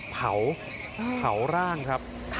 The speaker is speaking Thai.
เผาร่างครับ